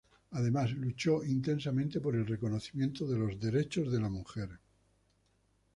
Además, luchó intensamente por el reconocimiento de los derechos de la mujer.